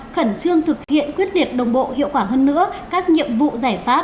khẩn trương thực hiện quyết liệt đồng bộ hiệu quả hơn nữa các nhiệm vụ giải pháp